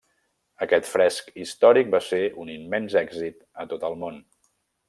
Aquest fresc històric va ser un immens èxit a tot el món.